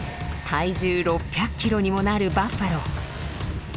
体重６００キロにもなるバッファロー。